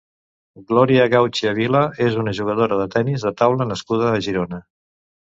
Glòria Gauchia Vila és una jugadora de tennis de taula nascuda a Girona.